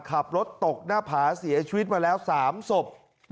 ขับรถตกหน้าผาเสียชีวิตมาแล้ว๓ศพ